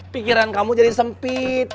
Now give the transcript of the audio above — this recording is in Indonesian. pikiran kamu jadi sempit